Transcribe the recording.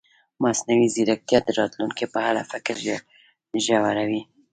مصنوعي ځیرکتیا د راتلونکي په اړه فکر ژوروي.